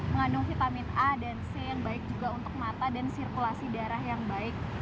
mengandung vitamin a dan c yang baik juga untuk mata dan sirkulasi darah yang baik